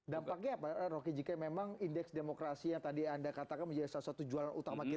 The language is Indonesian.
dampaknya apa rocky jika memang indeks demokrasi yang tadi anda katakan menjadi salah satu jualan utama kita